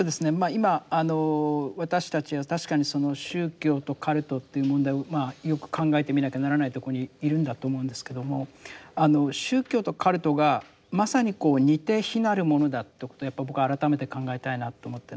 今あの私たちは確かに宗教とカルトという問題をよく考えてみなきゃならないとこにいるんだと思うんですけども宗教とカルトがまさにこう似て非なるものだってことやっぱ僕改めて考えたいなと思ってるんですね。